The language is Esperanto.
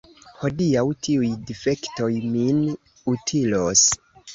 Hodiaŭ tiuj difektoj min utilos.